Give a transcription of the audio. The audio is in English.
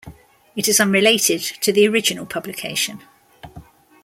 It is unrelated to the original publication.